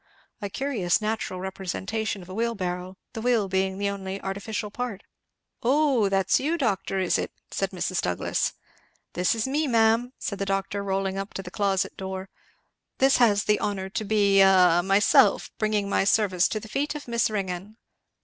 A curious natural representation of a wheelbarrow, the wheel being the only artificial part. "Oh! that's you, doctor, is it?" said Mrs. Douglass. "This is me, ma'am," said the doctor, rolling up to the closet door, "this has the honour to be a myself, bringing my service to the feet of Miss Ringgan."